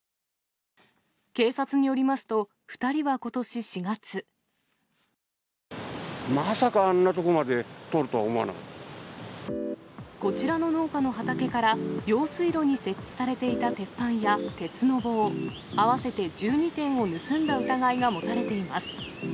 警察によりますと、まさかあんなとこまでとるとこちらの農家の畑から、用水路に設置されていた鉄板や鉄の棒、合わせて１２点を盗んだ疑いが持たれています。